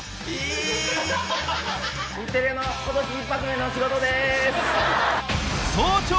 日テレの今年一発目の仕事です。